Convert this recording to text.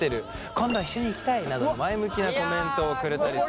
「今度一緒に行きたい！」などの前向きなコメントをくれたりする。